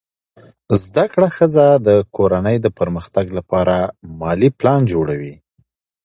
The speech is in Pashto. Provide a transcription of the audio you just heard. زده کړه ښځه د کورنۍ د پرمختګ لپاره مالي پلان جوړوي.